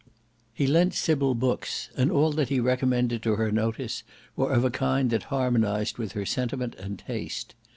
He lent Sybil books; and all that he recommended to her notice, were of a kind that harmonized with her sentiment and taste.